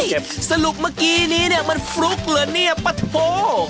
เฮ้ยสรุปเมื่อกี้นี้มันฟลุ๊กเหรอเนี่ยปะโธ่